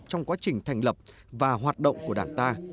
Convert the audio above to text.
trong quá trình thành lập và hoạt động của đảng ta